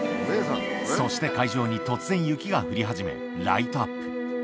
そして、会場に突然、雪が降り始め、ライトアップ。